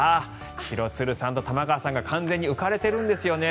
廣津留さんと玉川さんが完全に浮かれているんですよね。